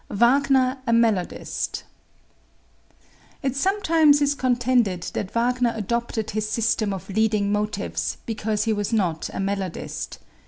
Wagner a Melodist. It sometimes is contended that Wagner adopted his system of leading motives because he was not a melodist.